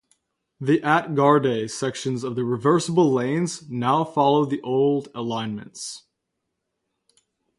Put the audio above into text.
The at-grade sections of the reversible lanes now follow the old alignments.